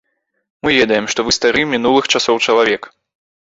Мы ведаем, што вы стары, мінулых часоў чалавек.